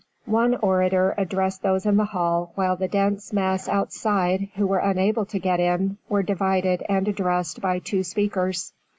One orator addressed those in the hall while the dense mass outside, who were unable to get in, were divided and addressed by two speakers.